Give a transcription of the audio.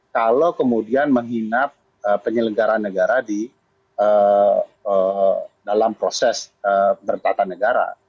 kalau kemudian menginap penyelenggaran negara di dalam proses pemberkatan negara